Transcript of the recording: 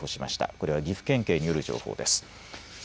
これは岐阜県警による情報です。